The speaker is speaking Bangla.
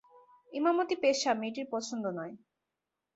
ইমামতি পেশা মেয়েটির পছন্দ নয়।